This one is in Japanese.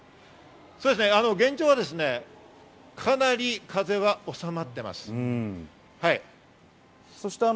現状はかなり風は収まってます。